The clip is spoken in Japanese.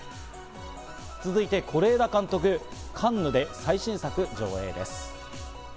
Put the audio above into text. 続いて是枝監督、カンヌで最新作上映です。